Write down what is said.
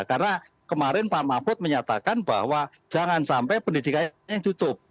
karena kemarin pak mahfud menyatakan bahwa jangan sampai pendidikannya tutup